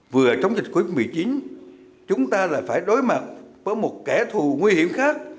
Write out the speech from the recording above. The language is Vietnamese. vừa chống dịch covid một mươi chín chúng ta lại phải đối mặt với một kẻ thù nguy hiểm khác